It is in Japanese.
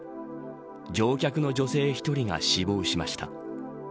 乗客の女性１人が死亡しました。